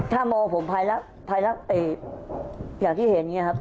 ถ้ามองผมภายรักเตะอย่างที่เห็นอย่างนี้ครับ